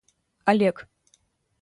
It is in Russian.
Олег